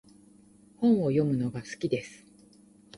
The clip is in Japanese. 本を読むのが好きです。